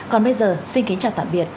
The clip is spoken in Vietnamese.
còn bây giờ xin kính chào tạm biệt